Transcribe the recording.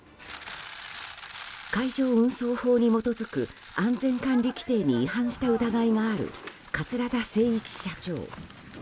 海上運送法に基づく安全管理規程に違反した疑いがある桂田精一社長。